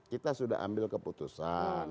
kita sudah ambil keputusan